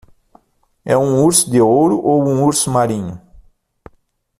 É um urso de ouro ou um urso marinho?